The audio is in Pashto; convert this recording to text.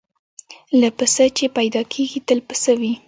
له پسه چي پیدا کیږي تل پسه وي